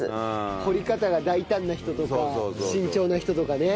掘り方が大胆な人とか慎重な人とかね。